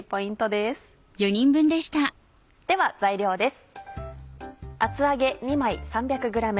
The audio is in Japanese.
では材料です。